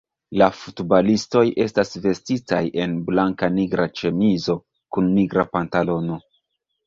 La futbalistoj estas vestitaj en blanka-nigra ĉemizo kun nigra pantalono.